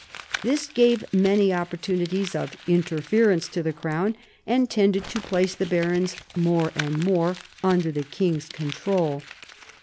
This gave many opportunities of interference to the crown and tended to place the barons more and more under the king's control.